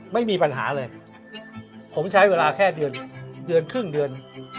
ไม่มีปัญหาเลยผมใช้เวลาแค่เดือนเดือนครึ่งเดือน